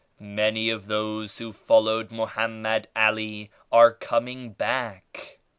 Many of those who followed Moham med Ali are coming back.